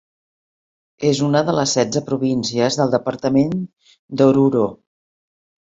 És una de les setze províncies del Departament d'Oruro.